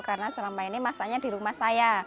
karena selama ini masaknya di rumah saya